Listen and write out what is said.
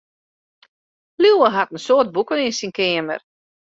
Liuwe hat in soad boeken yn syn keamer.